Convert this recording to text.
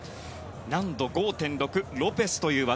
難度５．６、ロペスという技。